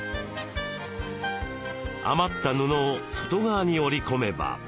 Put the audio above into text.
余った布を外側に折り込めば。